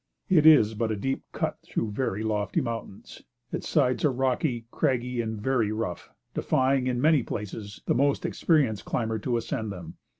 It is but a deep cut through very lofty mountains. Its sides are rocky, craggy and very rough, defying, in many places, the most experienced climber to ascend them.